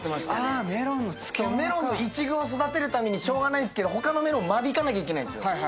メロンの１軍を育てるためにしょうがないんすけど他のメロン間引かなきゃいけないんすよ。